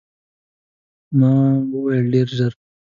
ما وویل، ډېر ژر.